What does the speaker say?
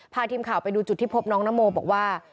พาทีมข่าวไปดูจุดที่พบน้องนโมบอกว่า